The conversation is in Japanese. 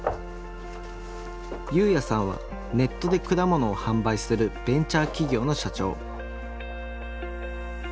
侑弥さんはネットで果物を販売するベンチャー起業の社長。